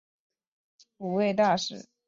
大业十一年李渊任山西河东郡慰抚大使。